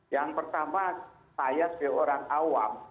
yang pertama saya sebagai orang awam